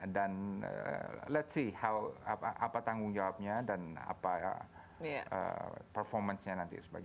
dan let's see apa tanggung jawabnya dan apa performance nya nanti